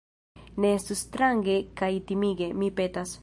Ne estu strange kaj timige, mi petas